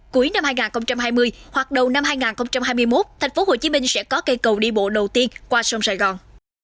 cuối năm hai nghìn hai mươi hoặc đầu năm hai nghìn hai mươi một thành phố hồ chí minh sẽ có cây cầu đi bộ đầu tiên qua sông sài gòn